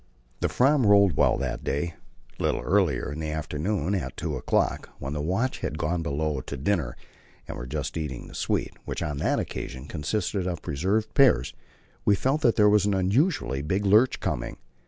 The Fram rolled well that day. A little earlier in the afternoon, at two o'clock, when the watch had gone below to dinner and were just eating the sweet, which on that occasion consisted of preserved pears, we felt that there was an unusually big lurch coming.